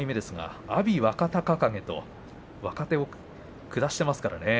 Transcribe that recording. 西の３枚目阿炎若隆景と若手を下しています。